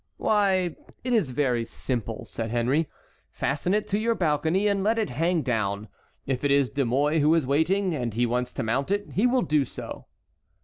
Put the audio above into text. "Why, it is very simple," said Henry. "Fasten it to your balcony and let it hang down. If it is De Mouy who is waiting and he wants to mount it, he will do so."